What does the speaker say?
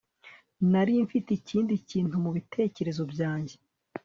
Nari mfite ikindi kintu mubitekerezo byanjye